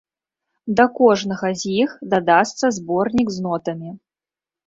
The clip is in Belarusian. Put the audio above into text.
Да кожнага з іх дадасца зборнік з нотамі.